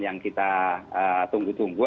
yang kita tunggu tunggu